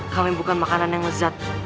kami bukan makanan yang lezat